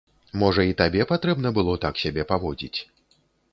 Можа, і табе патрэбна было так сябе паводзіць?